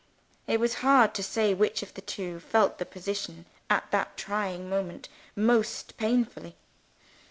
It was hard to say which of the two felt the position, at that trying moment, most painfully.